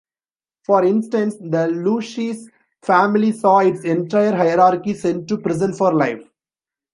For instance, the Lucchese family saw its entire hierarchy sent to prison for life.